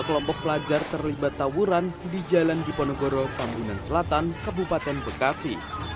kelompok pelajar terlibat tawuran di jalan diponegoro tambunan selatan kabupaten bekasi